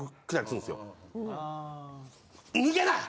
脱げない！